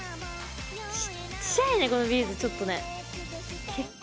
ちっちゃいねこのビーズちょっとね結構。